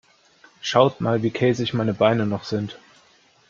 Schaut mal, wie käsig meine Beine noch sind.